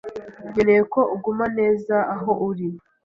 nkeneye ko uguma neza aho uri.